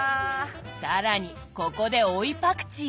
更にここで追いパクチー。